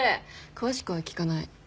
詳しくは聞かない。